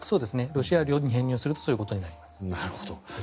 ロシア領に編入するとそういうことになります。